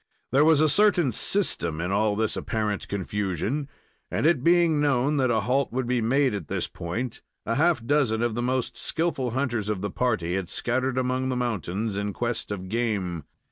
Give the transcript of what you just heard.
There was a certain system in all this apparent confusion, and, it being known that a halt would be made at this point, a half dozen of the most skilful hunters of the party had scattered among the mountains in quest of game.